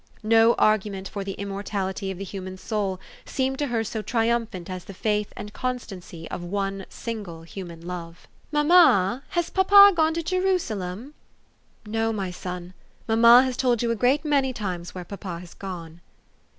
No argument for the immortality of the human soul seemed to her so triumphant as the faith and constancy of one single human love. THE STORY OF AVIS. 367 u Mamma, has papa gone to Jerusalem? "" No, my son. Mamma has told you a great many tunes where papa has gone."